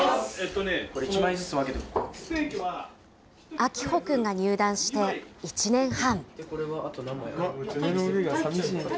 明峰君が入団して１年半。